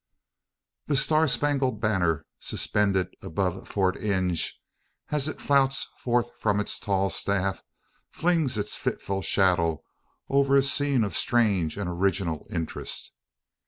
The "star spangled banner" suspended above Fort Inge, as it flouts forth from its tall staff, flings its fitful shadow over a scene of strange and original interest.